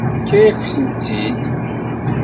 Tefka-yakent-t-id.